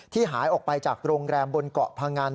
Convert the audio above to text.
หายออกไปจากโรงแรมบนเกาะพงัน